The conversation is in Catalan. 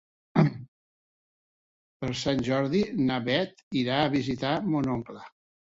Per Sant Jordi na Beth irà a visitar mon oncle.